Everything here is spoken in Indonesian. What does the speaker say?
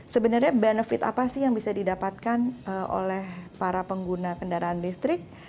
sebenarnya benefit apa sih yang bisa didapatkan oleh para pengguna kendaraan listrik